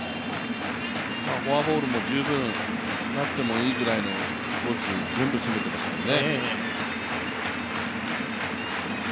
フォアボールも十分なってもいいぐらいのインコースに全部攻めてましたね。